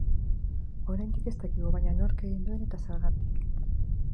Oraindik ez dakigu, baina, nork egin duen eta zergatik.